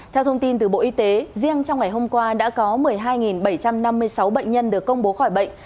theo thông tin từ bộ y tế riêng trong ngày hôm qua đã có một mươi hai bảy trăm năm mươi sáu bệnh nhân được công bố khỏi bệnh